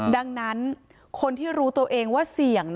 ดังนั้นคนที่รู้ตัวเองว่าเสี่ยง